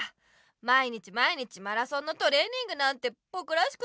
毎日毎日マラソンのトーレニングなんてぼくらしくないもん。